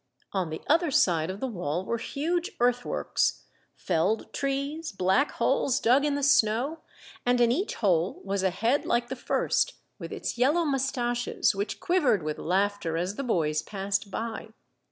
On the other side of the wall were huge earth works, felled trees, black holes dug in the snow, and in each hole was a head like the first, with its yellow mustaches, which quivered with laughter as the boys passed by.